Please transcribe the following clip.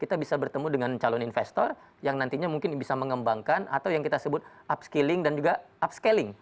kita bisa bertemu dengan calon investor yang nantinya mungkin bisa mengembangkan atau yang kita sebut upskilling dan juga upscaling